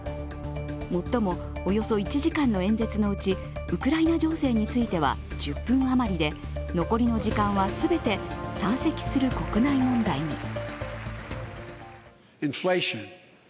もっとも、およそ１時間の演説のうち、ウクライナ情勢については１０分あまりで、残りの時間は全て山積する国内問題に。